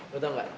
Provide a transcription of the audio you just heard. lo tau gak